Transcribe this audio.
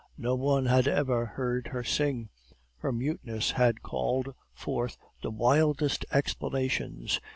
No one had ever heard her sing; her muteness had called forth the wildest explanations.